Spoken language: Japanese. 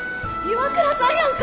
岩倉さんや。